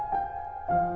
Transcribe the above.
amir kasihan parkurnya